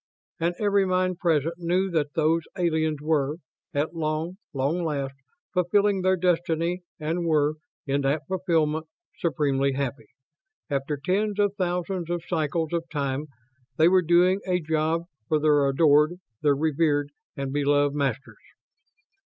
And every mind present knew that those aliens were, at long, long last, fulfilling their destiny and were, in that fulfillment, supremely happy. After tens of thousands of cycles of time they were doing a job for their adored, their revered and beloved MASTERS.